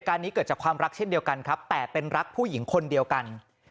นี้เกิดจากความรักเช่นเดียวกันครับแต่เป็นรักผู้หญิงคนเดียวกัน